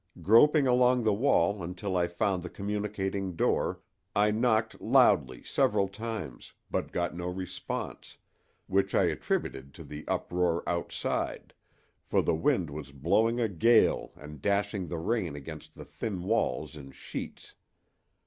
Groping along the wall until I found the communicating door I knocked loudly several times, but got no response, which I attributed to the uproar outside, for the wind was blowing a gale and dashing the rain against the thin walls in sheets.